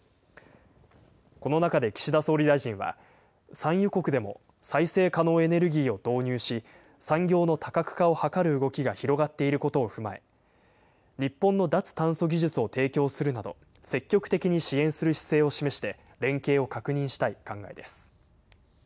この中で岸田総理大臣は、産油国でも再生可能エネルギーを導入し、産業の多角化を図る動きが広がっていることを踏まえ、日本の脱炭素技術を提供するなど、積極的に支援する姿勢を示して、連携を確認したい考えです。